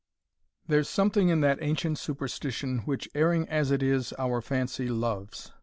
There's something in that ancient superstition, Which, erring as it is, our fancy loves.